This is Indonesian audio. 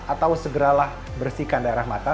atau segeralah bersihkan daerah mata